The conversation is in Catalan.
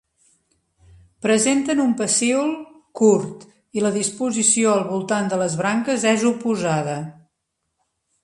Presenten un pecíol curt i la disposició al voltant de les branques és oposada.